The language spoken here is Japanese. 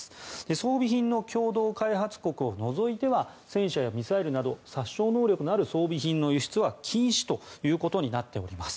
装備品の共同開発国を除いては戦車やミサイルなど殺傷能力のある装備品の輸出は禁止ということになっております。